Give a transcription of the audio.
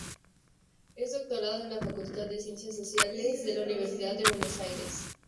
Es doctorado en la Facultad de Ciencias Sociales de la Universidad de Buenos Aires.